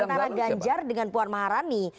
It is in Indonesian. antara ganjar dengan puan maharani